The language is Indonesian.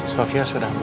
sofia sudah ambil